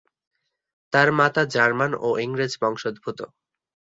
তার মাতা জার্মান ও ইংরেজ বংশোদ্ভূত।